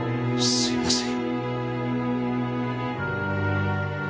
すいません。